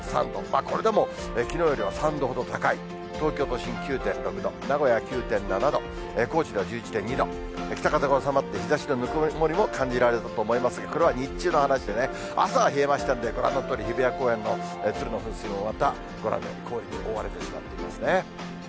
これでもきのうよりは３度ほど高い、東京都心９．６度、名古屋９．７度、高知では１１．２度、北風が収まって、日ざしのぬくもりも感じられると思いますが、これは日中の話でね、朝は冷えましたんで、ご覧のとおり、日比谷公園の鶴の噴水もまた、ご覧のように氷のように覆われてしまってますね。